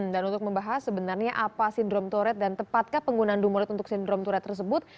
dan untuk membahas sebenarnya apa sindrom tourette dan tepatkah penggunaan dumolid untuk sindrom tourette tersebut